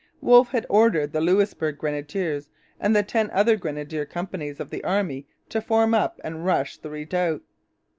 Wolfe had ordered the Louisbourg Grenadiers and the ten other grenadier companies of the army to form up and rush the redoubt.